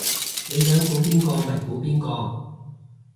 你想估邊個咪估邊個